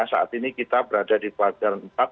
saat ini kita berada di kuarn empat